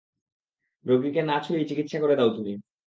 রোগীকে না ছুঁয়েই চিকিৎসা করে দাও তুমি।